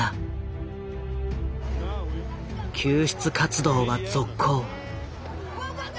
救出活動は続行。